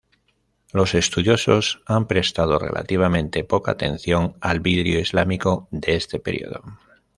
Los estudiosos han prestado relativamente poca atención al vidrio islámico de este período.